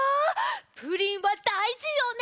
プリンはだいじよね。